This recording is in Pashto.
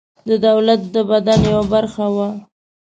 د دولت د بدن یوه برخه وه.